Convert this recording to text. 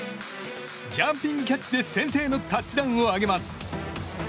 ジャンピングキャッチで先制のタッチダウンを挙げます。